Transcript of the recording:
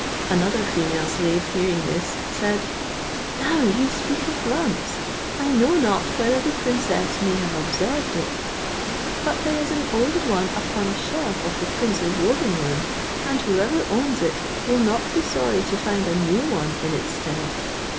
Another female slave hearing this, said, "Now you speak of lamps, I know not whether the princess may have observed it, but there is an old one upon a shelf of the prince's robing room, and whoever owns it will not be sorry to find a new one in its stead.